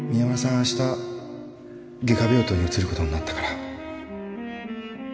明日外科病棟に移ることになった